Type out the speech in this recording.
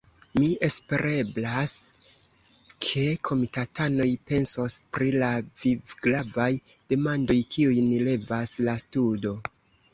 Mi espereblas, ke komitatanoj pensos pri la vivgravaj demandoj, kiujn levas la studo!